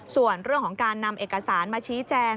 ส่วนเรื่องของการนำเอกสารมาชี้แจง